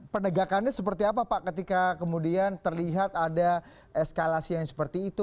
penegakannya seperti apa pak ketika kemudian terlihat ada eskalasi yang seperti itu